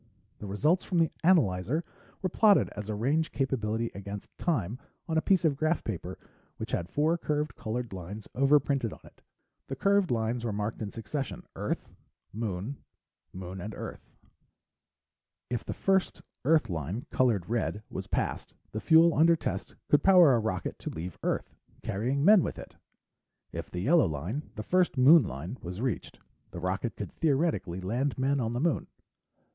The results from the analyzer were plotted as range capability against time on a piece of graph paper which had four curved colored lines overprinted on it. The curved lines were marked in succession: "Earth," "Moon," "Moon" and "Earth." If the first Earth line, colored red, was passed, the fuel under test could power a rocket to leave Earth, carrying men with it. If the yellow line the first Moon line was reached, the rocket could theoretically land men on the Moon.